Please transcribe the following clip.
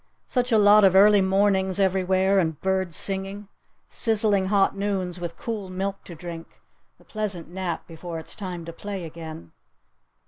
Such a lot of early mornings everywhere and birds singing! Sizzling hot noons with cool milk to drink! The pleasant nap before it's time to play again!